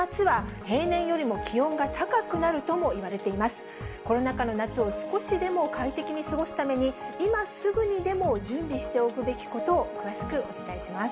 コロナ禍の夏を少しでも快適に過ごすために、今すぐにでも準備しておくべきことを詳しくお伝えします。